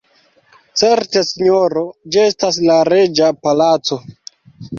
Certe sinjoro, ĝi estas la reĝa palaco.